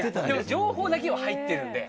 情報だけは入ってるんで。